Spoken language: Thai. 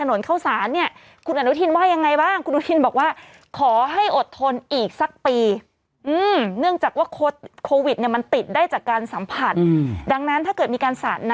ในถนนเข้าสานเนี่ย